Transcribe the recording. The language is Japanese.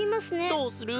どうする？